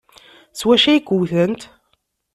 S wacu ay k-wtent?